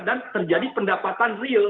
dan terjadi pendapatan real